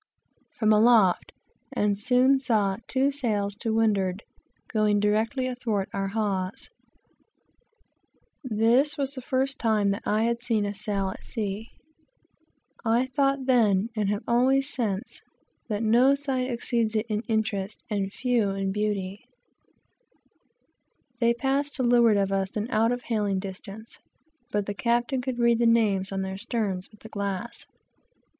from aloft, and soon saw two sails to windward, going directly athwart our hawse. This was the first time that I had seen a sail at sea. I thought then, and always have since, that it exceeds every other sight in interest and beauty. They passed to leeward of us, and out of hailing distance; but the captain could read the names on their sterns with the glass.